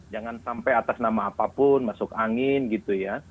jangan sampai atas nama apapun masuk angin gitu ya